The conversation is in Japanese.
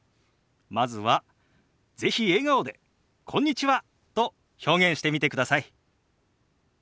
まずは是非笑顔で「こんにちは」と表現してみてください。